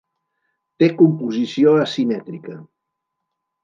Té composició asimètrica.